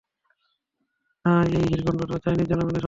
না, এই হীরকখন্ডটা চাইনিজ জনগণের সম্পত্তি!